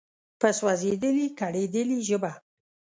په سوزیدلي، کړیدلي ژبه